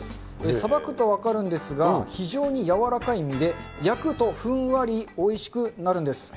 さばくと分かるんですが、非常に柔らかいんで、焼くと、ふんわりおいしくなるんです。